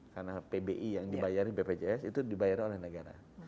karena pbi yang dibayar bpjs itu dibayar oleh negara